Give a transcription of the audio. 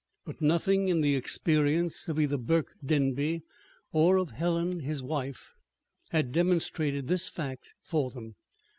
But nothing in the experience of either Burke Denby or of Helen, his wife, had demonstrated this fact for them.